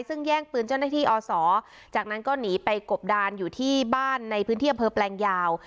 ซึ่งแย่งปืนเจ้าหน้าที่อศจากนั้นก็หนีไปกบดานอยู่ที่บ้านในพื้นที่อำเภอแปลงยาว